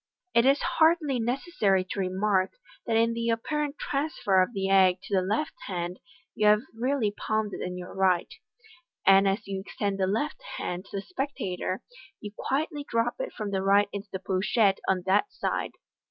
It is hardly necessary to remark, that in the apparent transfer of the egg to the left hand, you have really palmsd it in your right; and as you extend the left hand to the spectator, you quietly drop it from the right into the pochette on that side.